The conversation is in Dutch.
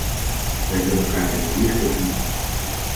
Wij willen elkaar in het licht ontmoeten.